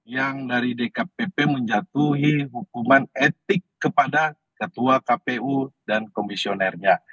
yang dari dkpp menjatuhi hukuman etik kepada ketua kpu dan komisionernya